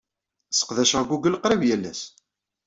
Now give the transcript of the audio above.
Sseqdaceɣ Google qrib yal ass.